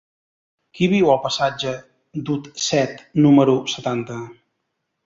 Qui viu al passatge d'Utset número setanta?